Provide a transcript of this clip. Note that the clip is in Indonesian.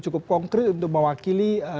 cukup konkret untuk mewakili